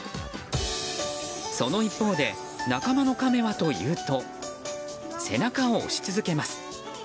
その一方で仲間のカメはというと背中を押し続けます。